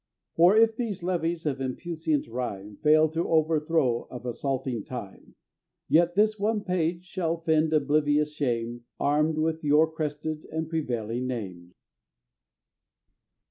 Or, if these levies of impuissant rhyme Fall to the overthrow of assaulting Time, Yet this one page shall send oblivious shame, Armed with your crested and prevailing Name.